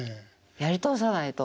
やり通さないと。